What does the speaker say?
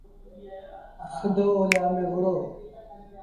سڌو اوليآ ميݩ وهُڙو